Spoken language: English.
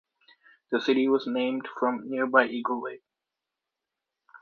The city was named from nearby Eagle Lake.